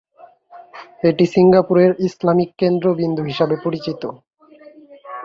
এটি সিঙ্গাপুরের ইসলামিক কেন্দ্রবিন্দু হিসাবে পরিচিত।